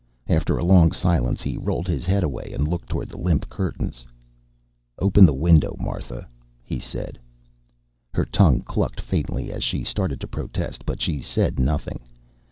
After a long silence, he rolled his head away and looked toward the limp curtains. "Open the window, Martha," he said. Her tongue clucked faintly as she started to protest, but she said nothing.